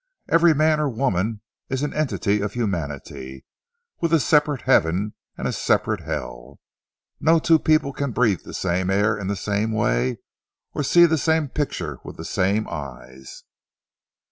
Every man or woman is an entity of humanity, with a separate heaven and a separate hell. No two people can breathe the same air in the same way, or see the same picture with the same eyes."